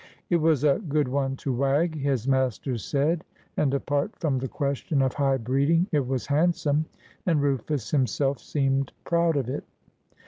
"It was a good one to wag," his master said, and, apart from the question of high breeding, it was handsome, and Rufus himself seemed proud of it.